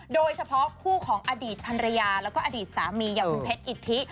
โดยเฉพาะคู่ของอดีตพันรยาแล้วก็อดีตสามีอย่างคุณเพชรอิทธิ